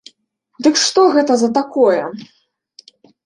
Дык што гэта за такое?